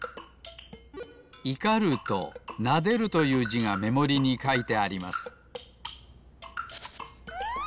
「怒る」と「撫でる」というじがめもりにかいてあります。